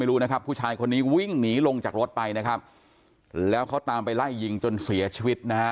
รู้นะครับผู้ชายคนนี้วิ่งหนีลงจากรถไปนะครับแล้วเขาตามไปไล่ยิงจนเสียชีวิตนะฮะ